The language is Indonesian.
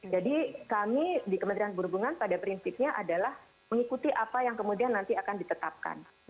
jadi kami di kementerian perhubungan pada prinsipnya adalah mengikuti apa yang kemudian nanti akan ditetapkan